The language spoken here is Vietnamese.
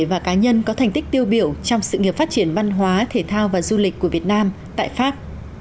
và cá nhân có thành tích tiêu biểu trong sự nghiệp phát triển văn hóa thể thao và du lịch của việt nam tại pháp